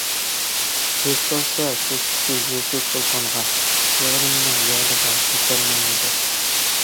كۆز سالسا كۆكتىكى يۇلتۇز چولپانغا، يارىمنىڭ يادىغا يېتەرمەنمۇ دەپ.